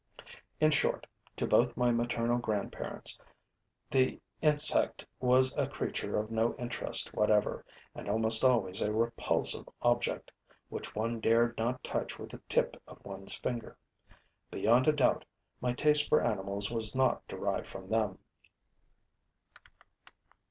In short, to both my maternal grandparents, the insect was a creature of no interest whatever and almost always a repulsive object, which one dared not touch with the tip of one's finger. Beyond a doubt, my taste for animals was not derived from them.